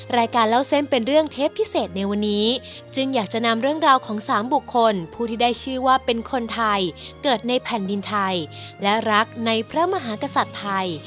รายการเล่าเส้นเป็นเรื่องเทปพิเศษในวันนี้จึงอยากจะนำเรื่องราวของสามบุคคลผู้ที่ได้ชื่อว่าเป็นคนไทยเกิดในแผ่นดินไทยและรักในพระมหากษัตริย์ไทย